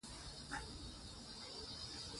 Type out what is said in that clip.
سپېڅلی، سپېڅلې، سپېڅلي، سپېڅلتيا